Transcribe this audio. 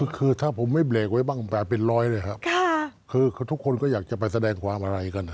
คือถ้าผมไม่เบรกไว้บ้างแบบเป็นร้อยเลยครับคือทุกคนก็อยากจะไปแสดงความอะไรกัน